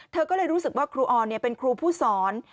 เธอก็เลยรู้สึกว่าครูออนเป็นครูผู้สอน